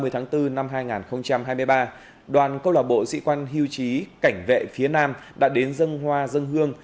ba mươi tháng bốn năm hai nghìn hai mươi ba đoàn câu lạc bộ sĩ quan hưu trí cảnh vệ phía nam đã đến dân hoa dân hương